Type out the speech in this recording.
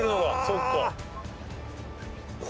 そっか。